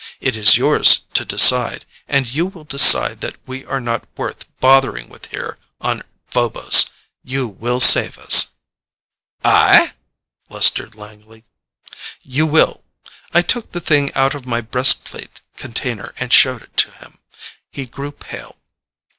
It is yours to decide, and you will decide that we are not worth bothering with here on Phobos. You will save us." "I?" blustered Langley. "You will." I took the thing out of my breastplate container and showed it to him. He grew pale.